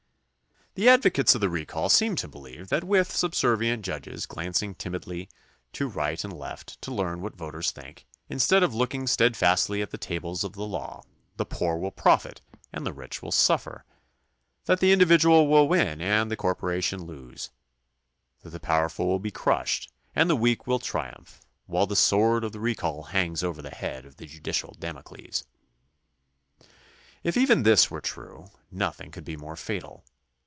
The advocates of the recall seem to believe that with subservient judges glancing timidly to right and left to learn what voters think, instead of looking stead THE CONSTITUTION AND ITS MAKERS 77 fastly at the tables of the law, the poor will profit and the rich will suffer; that the individual will win and the corporation lose; that the powerful will be crushed and the weak will triumph, while the sword of the re call hangs over the head of the judicial Damocles. If even this were true, nothing could be more fatal.